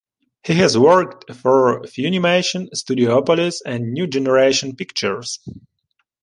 He has worked for Funimation, Studiopolis, and New Generation Pictures.